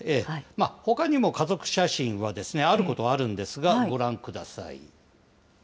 ほかにも家族写真はあることはあるんですが、ご覧ください。